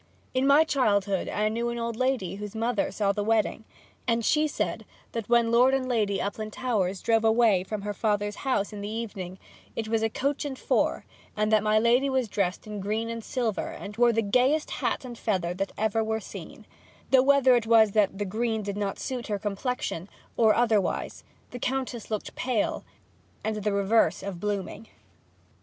In my childhood I knew an old lady whose mother saw the wedding, and she said that when Lord and Lady Uplandtowers drove away from her father's house in the evening it was in a coach and four, and that my lady was dressed in green and silver, and wore the gayest hat and feather that ever were seen; though whether it was that the green did not suit her complexion, or otherwise, the Countess looked pale, and the reverse of blooming.